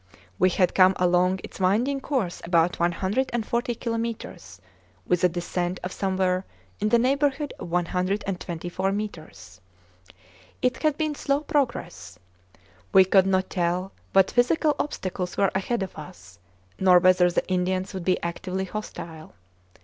We had come along its winding course about 140 kilometres, with a descent of somewhere in the neighborhood of 124 metres. It had been slow progress. We could not tell what physical obstacles were ahead of us, nor whether the Indians would be actively hostile.